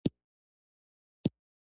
د نظام لویه برخه زبېښونکې پاتې شوه.